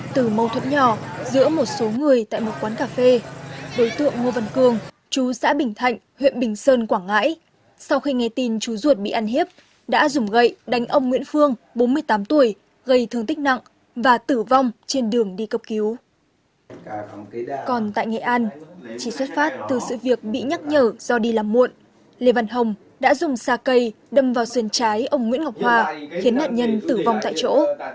trong xa cây đâm vào xuyên trái ông nguyễn ngọc hoa khiến nạn nhân tử vong tại chỗ